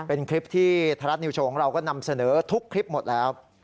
เป็นคลิปที่ธรัฐนิวโชว์ของเราก็นำเสนอทุกคลิปหมดแล้ว